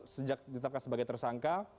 sejak ditetapkan sebagai tersangka